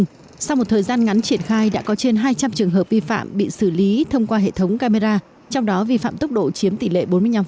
trong thời gian ngắn triển khai đã có trên hai trăm linh trường hợp vi phạm bị xử lý thông qua hệ thống camera trong đó vi phạm tốc độ chiếm tỷ lệ bốn mươi năm